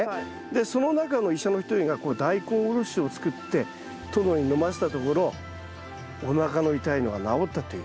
でその中の医者の一人がダイコンおろしを作って殿に飲ませたところおなかの痛いのが治ったという。